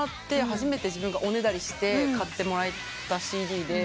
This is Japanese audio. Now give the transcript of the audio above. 初めて自分がおねだりして買ってもらったＣＤで。